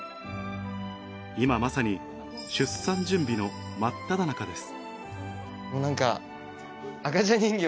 今まさに出産準備の真っただ中です